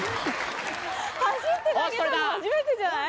走って投げたの初めてじゃない？